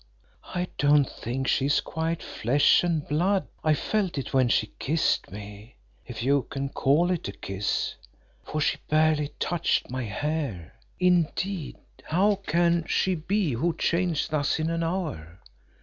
I don't think she is quite flesh and blood, I felt it when she kissed me if you can call it a kiss for she barely touched my hair. Indeed how can she be who changed thus in an hour?